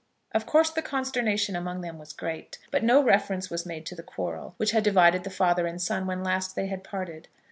Of course the consternation among them was great; but no reference was made to the quarrel which had divided the father and son when last they had parted.